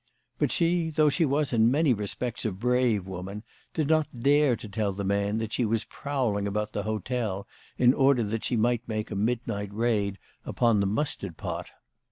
But she, though she was in many respects a brave woman, did not dare to tell the man that she was prowling about the hotel in order that she might make a midnight raid upon the mustard pot.